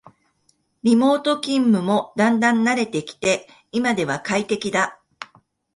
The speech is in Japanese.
リモート勤務もだんだん慣れてきて今では快適だ